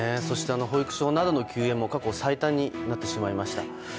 そして、保育所などの休園も過去最多になってしまいました。